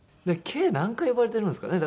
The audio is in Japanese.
計何回呼ばれてるんですかね？